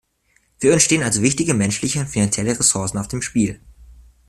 Für uns stehen also wichtige menschliche und finanzielle Ressourcen auf dem Spiel.